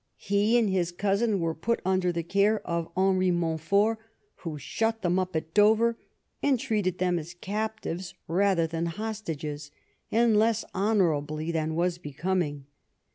He and his cousin were put under the care of Henry Montfort, who shut them up at Dover and treated them as captives rather than hostages, and less honourably than was becoming.